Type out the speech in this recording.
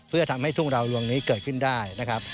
เพื่อทำให้ทุ่งดาวลวงนี้เกิดขึ้นได้นะครับ